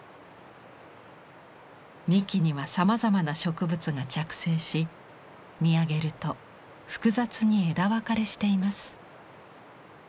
幹にはさまざまな植物が着生し見上げると複雑に枝分かれしています。